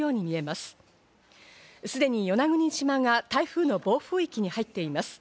すでに与那国島が台風の暴風域に入っています。